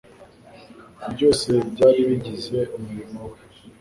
Byose byari bigize umurimo we,